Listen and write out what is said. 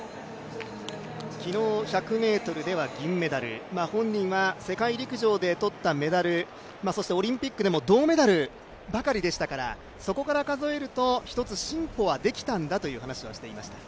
昨日１００ｍでは銀メダル、本人は世界陸上で取ったメダル、オリンピックでも銅メダルばかりでしたからそこから数えると一つ進歩はできたんだという話はしていました。